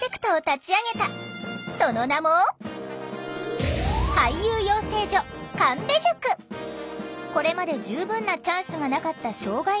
その名もこれまで十分なチャンスがなかった障害のある人たち。